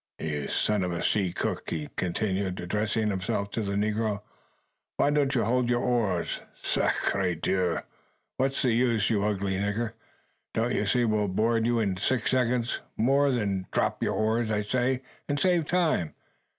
ha!" "You son of a sea cook!" he continued, addressing himself to the negro; "why don't you hold your oars? Sacre Dieu! what's the use, you ugly nigger? Don't you see we'll board you in six seconds more? Drop your oars, I say, and save time.